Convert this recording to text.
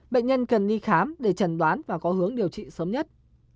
bệnh nhân cần đi khám để trần đoán và có hướng điều trị sớm nhất